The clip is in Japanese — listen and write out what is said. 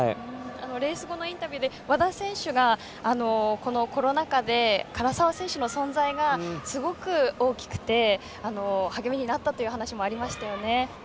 レース後のインタビューで和田選手がこのコロナ禍で唐澤選手の存在がすごく大きくて励みになったという話もありましたよね。